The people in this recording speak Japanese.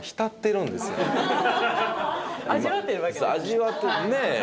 味わっててねえ？